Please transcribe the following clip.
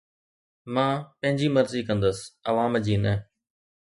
مان پنهنجي مرضي ڪندس، عوام جي نه